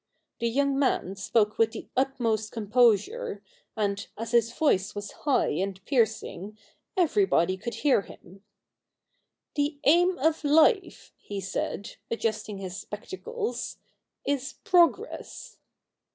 The young man spoke with the utmost com posure, and, as his voice was high and piercing, ever}' body could hear him. 'The aim of life,' he said, adjusting his spectacles, 'is progress.'